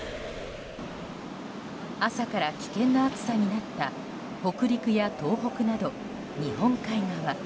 朝から危険な暑さになった北陸や東北など日本海側。